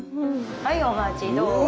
はいお待ちどお。